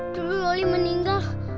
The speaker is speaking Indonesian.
dulu lolis meninggal